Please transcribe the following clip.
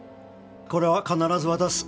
これは必ず渡す。